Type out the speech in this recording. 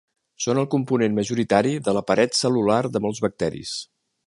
Són el component majoritari de la paret cel·lular de molts bacteris.